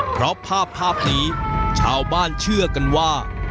เพราะภาพนี้ชาวบ้านเชื่อกันว่า